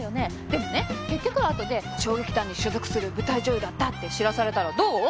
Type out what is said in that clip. でもね結局はあとで小劇団に所属する舞台女優だったって知らされたらどう？